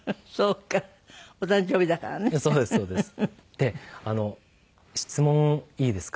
で質問いいですか？